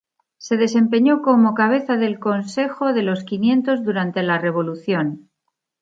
Se desempeñó como cabeza del Consejo de los Quinientos durante la revolución.